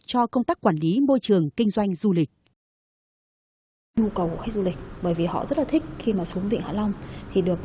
cho công tác quản lý môi trường kinh doanh du lịch